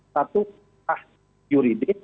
satu ah juridik